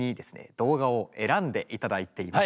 動画を選んで頂いています。